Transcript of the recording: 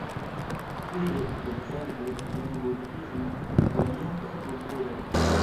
Vidu, ekzemple, en Budhismo, orientaj kulturoj...